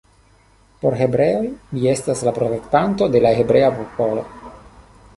Por hebreoj li estas la protektanto de la hebrea popolo.